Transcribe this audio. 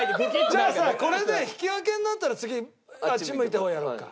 じゃあさこれで引き分けになったら次あっち向いてホイやろうか。